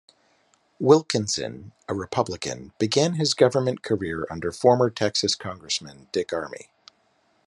Wilkinson, a Republican, began his government career under former Texas congressman Dick Armey.